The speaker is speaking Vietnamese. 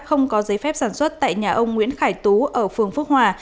không có giấy phép sản xuất tại nhà ông nguyễn khải tú ở phường phước hòa